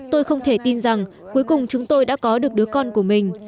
tôi không thể tin rằng cuối cùng chúng tôi đã có được đứa con của mình